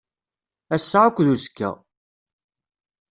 Ass-a akked wazekka.